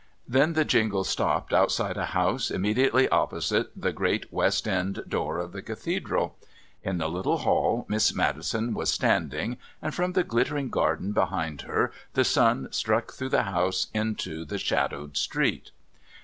Then the jingle stopped outside a house immediately opposite the great west end door of the Cathedral; in the little hall Miss Maddison was standing, and from the glittering garden behind her the sun struck through the house into the shadowed street.